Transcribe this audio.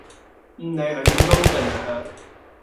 唔理係員工定係客